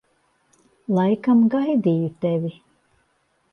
Laikam gaidīju tevi.